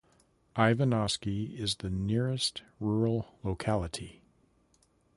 Ivanovsky is the nearest rural locality.